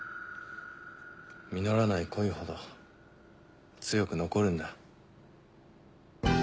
実らない恋ほど強く残るんだ。